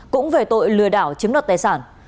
cũng về tội lừa đảo chiếm đoạt tài sản